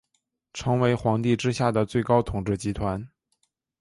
成为皇帝之下的最高统治集团。